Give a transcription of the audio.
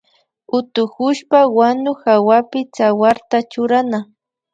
Utukushpa wanu hawapi tsawarta churana